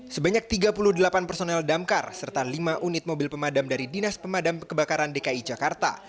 sebanyak tiga puluh delapan personel damkar serta lima unit mobil pemadam dari dinas pemadam kebakaran dki jakarta